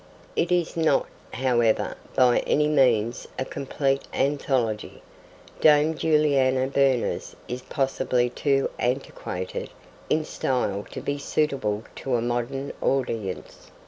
It is not, however, by any means a complete anthology. Dame Juliana Berners is possibly too antiquated in style to be suitable to a modern audience.